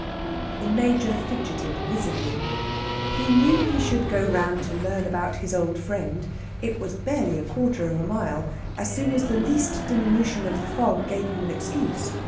The Major fidgeted visibly. He knew he should go round to learn about his old friend (it was barely a quarter of a mile) as soon as the least diminution of the fog gave him an excuse.